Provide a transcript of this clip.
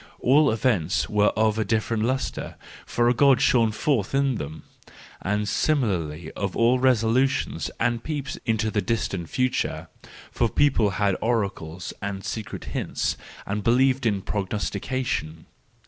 All events were of a different lustre, for a God shone forth in them ; and similarly of all resolutions and peeps into the distant future: for people had oracles, and secret hints, and be¬ lieved in prognostication.